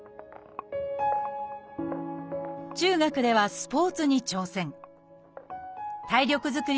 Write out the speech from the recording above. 中学ではスポーツに挑戦。